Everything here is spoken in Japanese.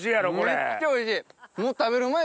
めっちゃおいしい。